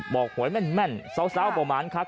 บอกโหยแม่นสาวประมาณครับ